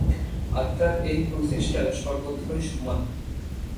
আত্মার এই প্রচেষ্টা সর্বত্রই সমান।